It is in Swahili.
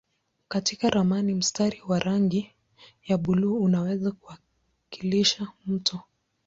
Katika ramani mstari wa rangi ya buluu unaweza kuwakilisha mto.